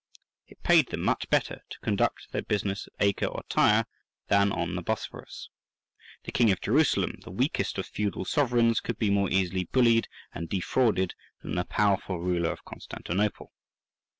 It paid them much better to conduct their business at Acre or Tyre than on the Bosphorus. The king of Jerusalem, the weakest of feudal sovereigns, could be more easily bullied and defrauded than the powerful ruler of Constantinople.